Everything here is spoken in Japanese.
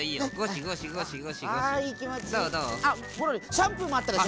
シャンプーもあったでしょ？